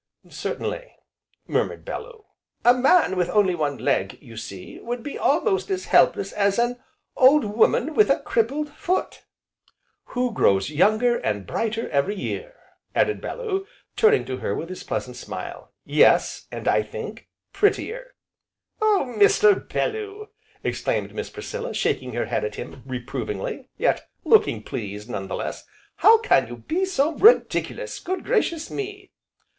"Certainly!" murmured Bellew. "A man with only one leg, you see, would be almost as helpless as an old woman with a crippled foot, " "Who grows younger, and brighter, every year!" added Bellew, turning to her with his pleasant smile, "yes, and I think, prettier!" "Oh, Mr. Bellew!" exclaimed Miss Priscilla shaking her head at him reprovingly, yet looking pleased, none the less, "how can you be so ridiculous, Good gracious me!"